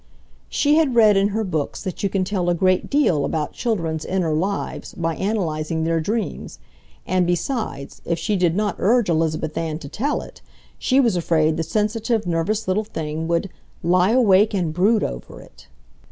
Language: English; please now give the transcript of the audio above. She had read in her books that you can tell a great deal about children's inner lives by analyzing their dreams, and besides, if she did not urge Elizabeth Ann to tell it, she was afraid the sensitive, nervous little thing would "lie awake and brood over it."